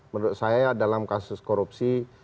menurut saya dalam kasus korupsi